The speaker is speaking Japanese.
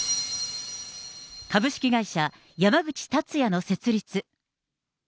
株式会社山口達也の設立。